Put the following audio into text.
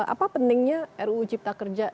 apa pentingnya ruu cipta kerja